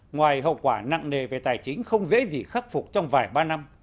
ngoài hậu quả nặng nề về tài chính không dễ gì khắc phục trong vài ba năm